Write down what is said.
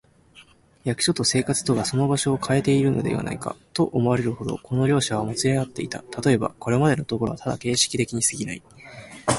役所と生活とがその場所をかえているのではないか、と思われるほど、この両者はもつれ合っていた。たとえば、これまでのところはただ形式的にすぎない、